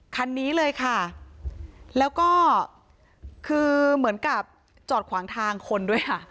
คันนี้เลยค่ะแล้วก็คือเหมือนกับจอดขวางทางคนด้วยค่ะ